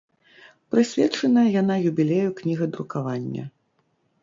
Прысвечаная яна юбілею кнігадрукавання.